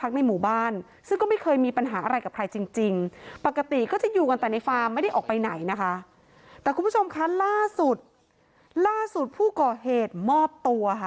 คุณผู้ชมคะล่าสุดล่าสุดผู้ก่อเหตุมอบตัวค่ะ